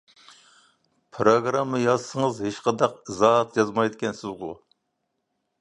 پىروگرامما يازسىڭىز ھېچقانداق ئىزاھات يازمايدىكەنسىزغۇ!